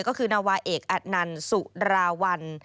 ก็คือนาวาเอกอัดนันสุราวัล